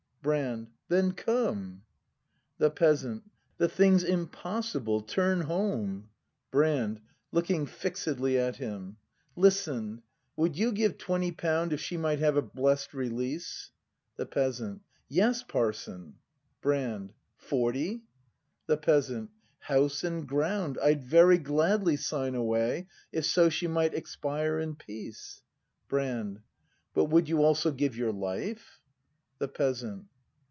Brand. Then come! The Peasant. The thing's impossibl — turn home 22 BRAND [act i Brand. [Looking fixedly at him.] Listen! Would you give twenty pound If she might have a blest release? Yes, parson The Peasant. Brand. Forty ? The Peasant. House and ground I'd very gladly sign away If so she might expire in peace! Brand. But would you also give your life? The Peasant.